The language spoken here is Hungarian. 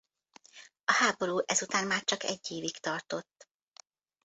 A háború ezután már csak egy évig tartott.